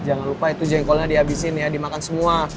jangan lupa itu jengkolnya dihabisin ya dimakan semua